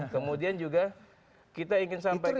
kemudian juga kita ingin sampaikan